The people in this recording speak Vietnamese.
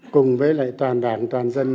cùng với lại toàn đảng toàn dân